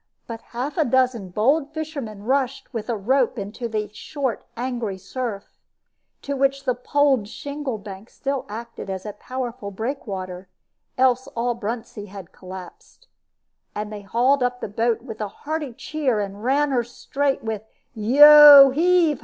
But half a dozen bold fishermen rushed with a rope into the short angry surf to which the polled shingle bank still acted as a powerful breakwater, else all Bruntsea had collapsed and they hauled up the boat with a hearty cheer, and ran her up straight with, "Yo heave oh!"